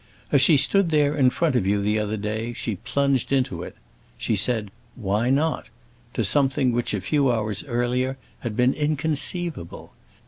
As she stood there in front of you the other day, she plunged into it. She said 'Why not?' to something which, a few hours earlier, had been inconceivable.